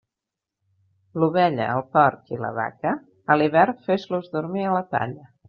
L'ovella, el porc i la vaca, a l'hivern fes-los dormir a la palla.